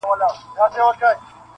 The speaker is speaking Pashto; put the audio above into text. • حافظه يې له ذهن نه نه وځي,